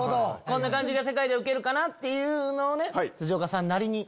こんな感じが世界でウケるかな？っていうのを辻岡さんなりに。